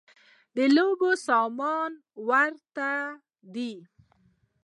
د لوبو سامان وارداتی دی